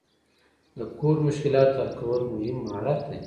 د کوډ مشکلات حل کول مهم مهارت دی.